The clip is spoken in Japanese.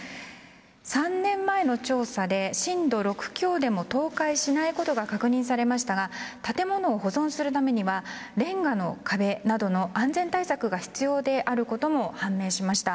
３年前の調査で震度６強でも倒壊しないことが確認されましたが建物を保存するためにはレンガの壁などの安全対策が必要であることも判明しました。